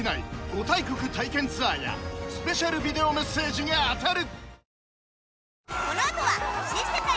５大国体験ツアーやスペシャルビデオメッセージが当たる！